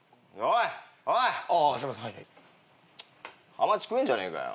ハマチ食えんじゃねえかよ。